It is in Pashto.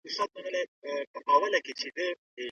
بهرنۍ پالیسي د هیواد د ملي ارزښتونو رښتینی استازیتوب کوي.